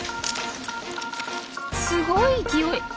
すごい勢い！